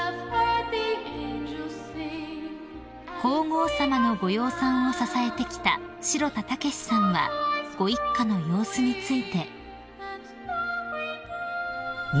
［皇后さまのご養蚕を支えてきた代田丈志さんはご一家の様子について］